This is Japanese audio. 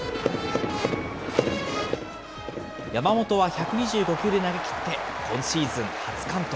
山本は１２５球で投げ切って今シーズン初完投。